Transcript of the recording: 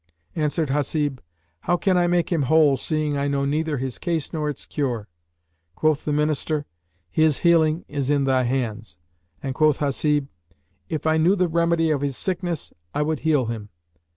Answered Hasib, "How can I make him whole, seeing I know neither his case nor its cure?" Quoth the Minister, "His healing is in thy hands," and quoth Hasib, "If I knew the remedy of his sickness, I would heal him."